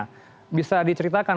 nah bisa diceritakan